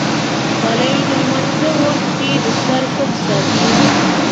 خولۍ د لمانځه وخت کې د سر پټ ساتي.